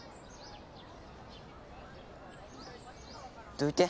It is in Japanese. ・どいて。